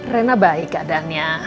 rena baik keadaannya